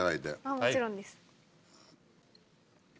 もちろんです。